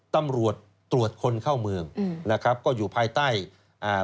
ตำรวจตรวจคนเข้าเมืองอืมนะครับก็อยู่ภายใต้อ่า